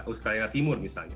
ukraina timur misalnya